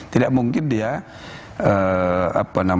tidak mungkin dia apa namanya